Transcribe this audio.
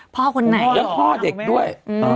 พ่อคุณไหนพ่อเด็กด้วย